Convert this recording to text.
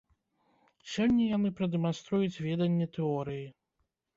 Сёння яны прадэманструюць веданне тэорыі.